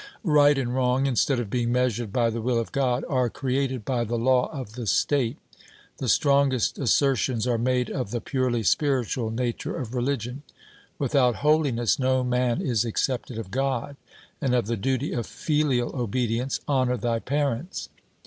Right and wrong, instead of being measured by the will of God, are created by the law of the state. The strongest assertions are made of the purely spiritual nature of religion 'Without holiness no man is accepted of God'; and of the duty of filial obedience, 'Honour thy parents.'